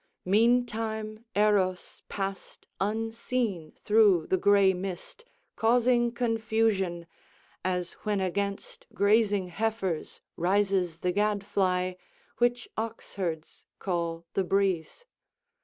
Meantime Eros passed unseen through the grey mist, causing confusion, as when against grazing heifers rises the gadfly, which oxherds call the breese.